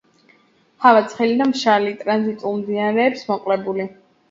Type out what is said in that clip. ჰავა ცხელი და მშრალი, ტრანზიტულ მდინარეებს მოკლებული.